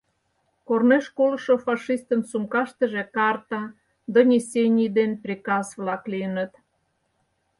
Корнеш колышо фашистын сумкаштыже карта, донесений ден приказ-влак лийыныт.